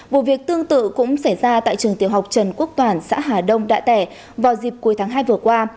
vụ việc tương tự cũng xảy ra tại trường tiểu học trần quốc toàn xã hà đông đạ tẻ vào dịp cuối tháng hai vừa qua